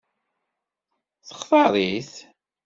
Textaṛ-it?